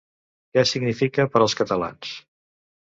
Què significa per als catalans?